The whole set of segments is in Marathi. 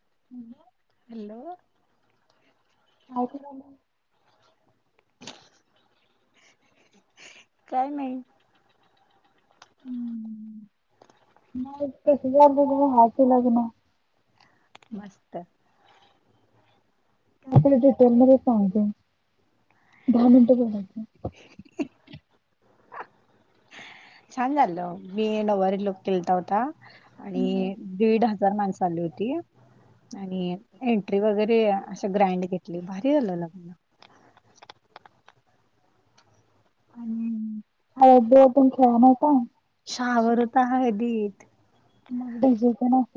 [inaudible] काय नाही. [unintelligible] [unintelligible] केला की नाही. मस्त. आपला डिटेल मध्ये पाहतो दहा मिनट बघायच. छान झालं मी नववारी लुक केलता होता आणि दीड हजार माणसं आली होती आणि एन्ट्री वगैरे अ गग्रँड घेतली भारी झालं लग्न. शॉवर होता हळदीत,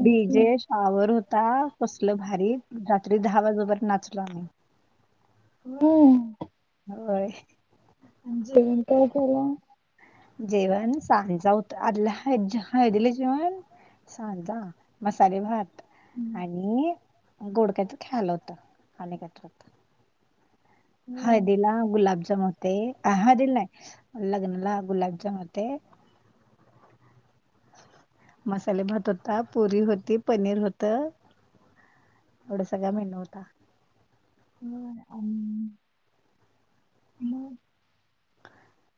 डीजे शॉवर होता कसल भारी रात्री दहा वाजर नाच ला. होय. तुम्ही काय झाला? जेवण सांज होत हळदीला जेवण सांजा, मसाले भात आणि गोडक्याच ख्याल होत. [unintelligible] हळदीला गुलाबजाम होते हळदील नाई लग्नला गुलाबजाम हो ते. मसाले भात होत पुरी होती पनीर होत एवढ्या सगळ्या मेनू होता हा मग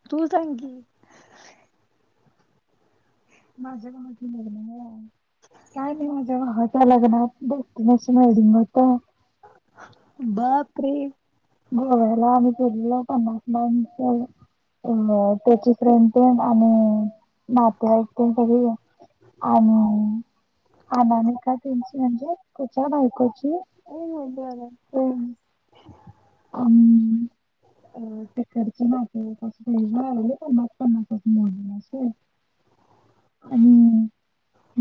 तू तसांग की माझ्या गवाचीि काय माझ्या गवाच्या लग्नात डेस्टिनेशन वेडिंग होत गोव्याला आणि पिरला पन्नास मन अ त्याची प्रेंटिन आणि ह आणि अनाम का तुमची म्हणजे तिच्या बायकोची टिकट आणि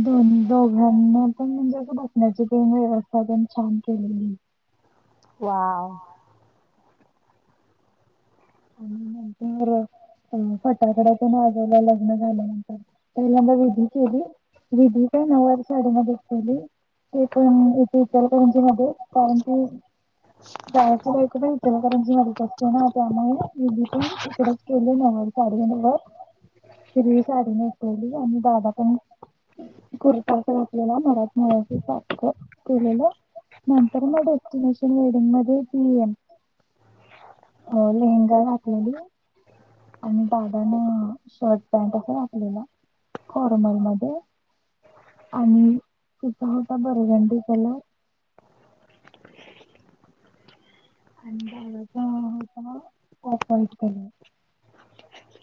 दन दोघांना पण म्हणजे अस बसण्याची प व्यवस्था पण छान केलेली फटाकड्या प आजवला लग्न झाल्यानंतर पहिल्यांदा विधी केली विधी का नऊवारी साडीमध्ये च केली ते पण ते इचलकरंजी मध्ये कारण की बाळ्याची बायको पण इचलकरंजी मध्येच असते ना त्यामुळे पण तडेच केले न साडी फ्री साडी नेसवली आणि दादा पण कुर्ता घेतलेला मरा न केलेलं नंतर मग डेस्टिनेशन वेडिंग मध्ये ती ंग लेली आणि दादाने शर्ट पॅनट अस घातलेला फॉर्मल मध्ये आणि तिचा होता बरगंडी कलर [inaudible]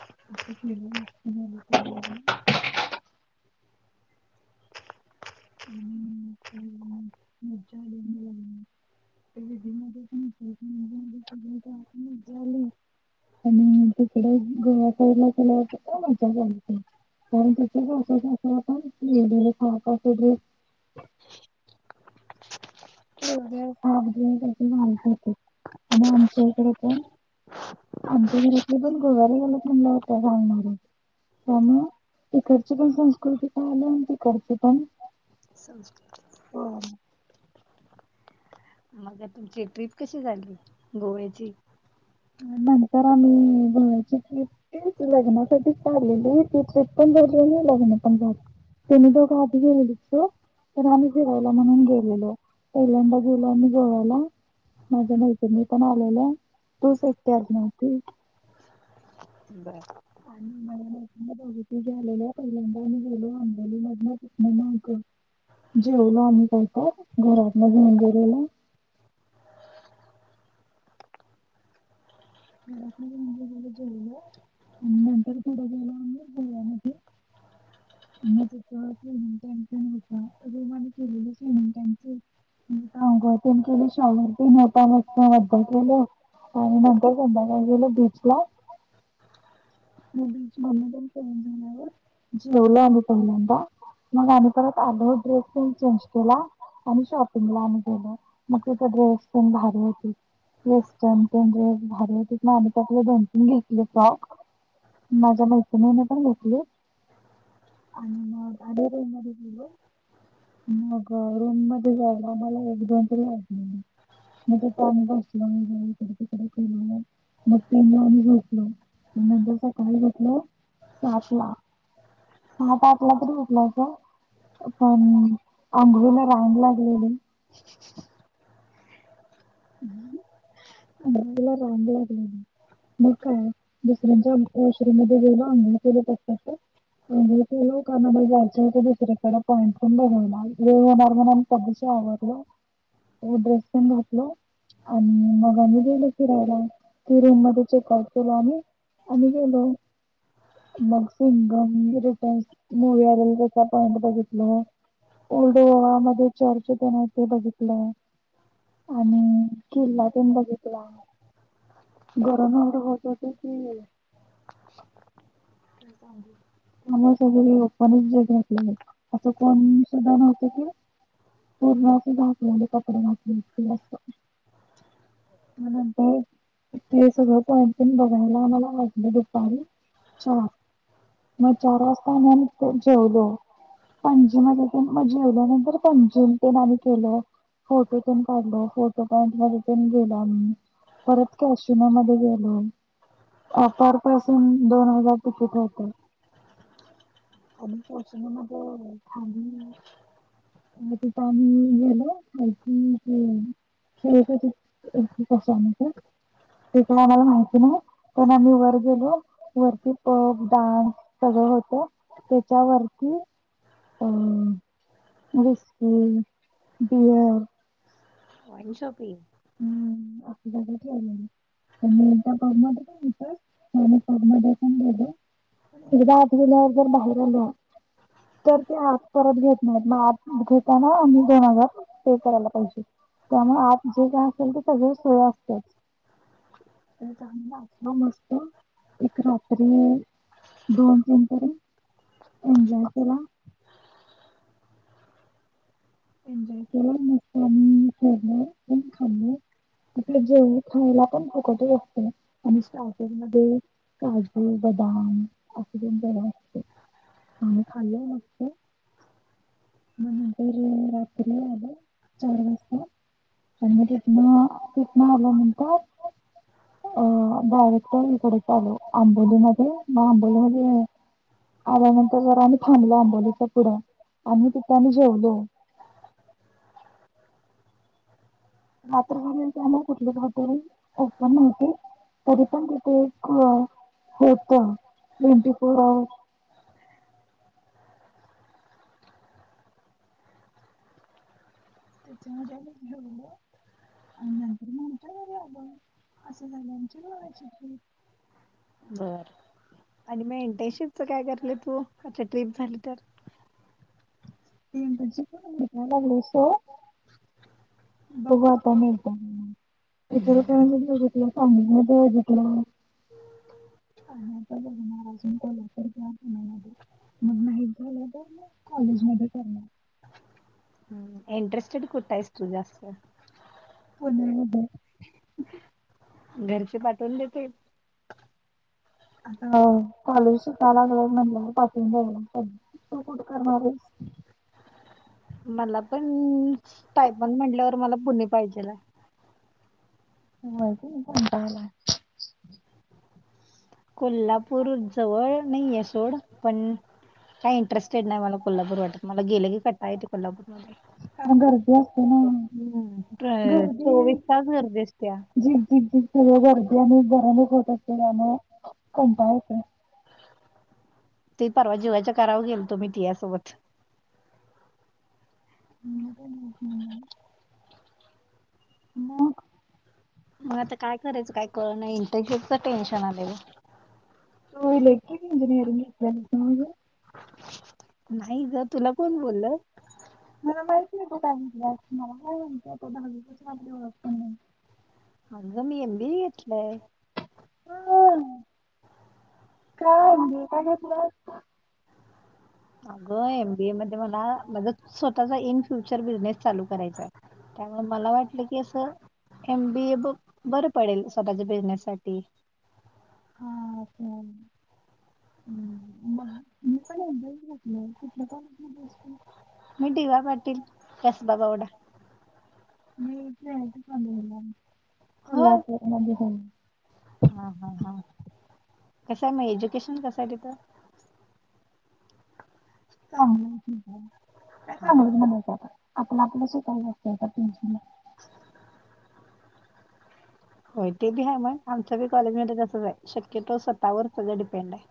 [inaudible] हम्म हम्म आणि म [inaudible] आणि तिकडे गव्याडला गल्यावर मजाते कारण त्याच्या आपण वक वे हो थांब ल हो आणि आमच्या इकडे पण आमच्या घरातली पण गोव्याला गेल्यात म्हणण्यावर घालणार की त्यामु इकडची पण संस्कृती का आल्याती कोती पण संस्कृती मग तुमची ट्रिप कशी झाली गोव्याची नंतर आम्ही गव्हाची खीर लग्नासाठी चाललेली तथ पण दर्ज लग्न पण झा त्यांनी दोघं आधी गेलेली प आम्ही फिरायला म्हणून गेलेलो पहिल्यांदा गेलो जोवायला माझ्या मैत्रिणी पण आलेल्या तू सतत नव्हती आ लोकां बाजू गेले पहिल्यांदा आम्ही गेलो अंबोली मधन मग जेवलो आम्ही कात घरात घेऊन गेलेलो नंतर थोडग कॅनटीन होंग कॅनटीन पण केलं शॉवर पण होता मत केलं म का गेलं बीचला म म पणं जेवलो आम्ही पहिल्यांदा मग आम्ही परत आलो ड्रेस प चेंज केला आणि शॉपिंगला आम्ही गेलो मग तिथ ड्रेस प भारी होती वेस्टर्न प ड्रेस भारी आम्ही त्यासले दोन तीन घेतले फ्रॉक माझ्या मैत्रिणीनं पण घेतली आणि मग रूम म मग रूम मध्ये जायला आ मला एक दोन तरी वाटले म ते काम बसलं तिकडे फ म अनभवलं म्हटलं तातला पाात आपला तरी घटला का पण अंघोळीला रांग लागलेली [inaudible] अगं लागले मग काय दुसऱ्यांच्या उशरी म गेल अं केलं अं केलं कारयच्या दुसरी्याकडे पॉईंट पण बघला व होणार म्ह कध आवडलं ड्रेस पण घातल आणि मग [inaudible] बां [inaudible] फिरायला फिरम मध्ये चेकआउट केल आणि गेलो मग सिंघम रिटर्न त्याचा पॉइंट बघितल ओल्ड गोवा मध्ये चर्च होता ना ते बघितलं आणि किल्ला तु घेतला गरम एवढ होत होतं आला सगळे जकलेले असं कोण सुद्धा नव्हत कि पूर्ण घकलेले कपडे घकलेत हम्म ते सगळं पॉइंट बघायला आम्हाला वाटलं दुपारी चार मग चार वाजता आणून ते जेवलो पणजी मध्ये प मग जेवल्यानंतर पणजी पण आम्ही केलं फोटो पन काढलो फोटो काढ म पण गेलं आम्ही परत कॅसिनो मध्ये गेल अफार पासून दोन हजार ठ पा गेल [inaudible] त्याच आमला माहिती नाही पण आम्ही वर गेलो वरती पब डान्स सगळं होत त्याच्यावरती अ व्हिस्की बियर वाईन शॉपिंग एकदा आठवल्या जर बाहेर आल तर ते आठ परत घेत नाहीत मग आठ घेताना आम्ही दोन हजार पैसे करायला पैसे त्यामुळे आ जे काय असेल ते असत मस्त एक रात्री दोन तीन पर्यंत एनजॉय करा त्यां त मो करण स म्ह जेव खायला पण फूकट असते आणि मग काजू बदाम असे पण जरा असते आणि खाल्लं नसतं राात आ चार वास आणिकण तिथंन आल्यानंतर अ डायरेक्ट इकडे चालो आंबोलीमध्ये म आंबोलीमध्ये आल्यानंतर जरा आम्ही थांबलो आंबोलीचा पुढ आम्ही तिथं आणि जेवलो रात्रभर त्यामुळे कुठले हॉटेल ओपन नव्हते तरी पण तिथे होत ट्वेंटी फोर अ बर आणि मी इंटरनशिप काय करलं तू आ ट्रिप झाली तर लागले सो [unintelligible] दोघता बघू आता [unintelligible] मिळत [unintelligible] का देजितला [unintelligible] नाहीच झालं तर कॉलेज मध्ये कर मग इंटरेस्टेड [unintelligible] जास्त घरचे पाठवून देतील हो चालू सुट्टी लागल्या वर नंबर पाठवून द्यायला सांगते. तू कुठ करणार आहेस? मला पण अं तायपन म्हटल्यावर मला पुणे पाहिजेला मला पण कंटाळा आलाय कोल्हापूर जवळ नाहीये सोड, पण काही इंटरेस्टेड नाही मला कोल्हापूर वाटत. मला गेलं की कंटाळा येतो. ब [unintelligible] गर्दी असते ना गर्दी झीक झीक झीक सगळी गर्दी [unintelligible] फोट त्याच्यामुळे कंटाळा येतो. त परवा जीवाच्या करावं गेल तुम्ही तीया सोबत हम् हम् हू मग मग आता काय करायचं काय कळ नाही इंटरशिपच टेन्शन आले ओ. होल [unintelligible] [unintelligible] नाही जर तुला कोण बोलल मला अगं मी एम बी ए घेतलंय. अगं एम बी ए मध्ये मला, माझ स्वतःचा इन फ्युचर बिझनेस चालू करायचा आहे. त्यामुळे मला वाटलं की असं, एम बी ए बग बर पडेल स्वतःच्या बिझनेस साठी. हां मी डी वाय पाटील [inaudible] हा हा हा कसं आहे मग एज्युकेशन कसं आहे तिथं? ह चांगलंच म्हणायचं आता आपलं आपलं स्वतः करते काय टेन्शन नाही. होय ते बी आहे म्हण आमच्या बी कॉलेजमध्ये तसच आहे शक्यतो स्वतःवर सगळ डिपेंड आहे.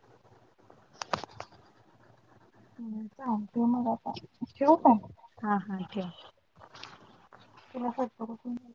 हा हा ठेव तुला